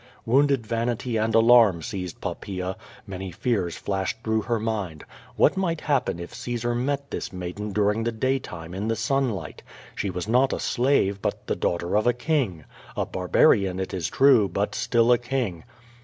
Wounded vanity and alarm seized Poppaea, many fears flashed through her mind. What might nappen if Caesar QUO VADI8, 83 met this maiden during the day time in the sunlight? She was not a slave, but the daughter of a king. A barbarian, it is true, but still a king.